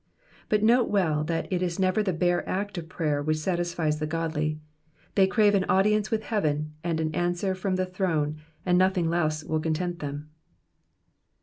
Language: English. But note well that it is never the bare act of prayer which satisfies the godly, they crave an audience with heaven, and an answer from the throne, and nothing less will content them.